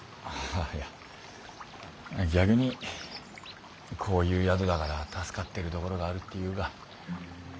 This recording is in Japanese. まあ逆にこういう宿だがら助かってるどごろがあるっていうが。